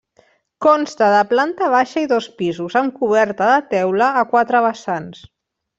Consta de planta baixa i dos pisos, amb coberta de teula a quatre vessants.